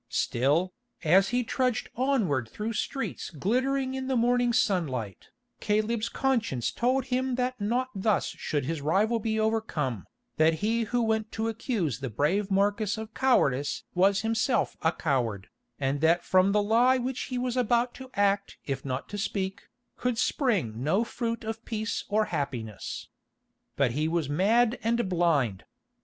Still, as he trudged onward through streets glittering in the morning sunlight, Caleb's conscience told him that not thus should this rival be overcome, that he who went to accuse the brave Marcus of cowardice was himself a coward, and that from the lie which he was about to act if not to speak, could spring no fruit of peace or happiness. But he was mad and blind.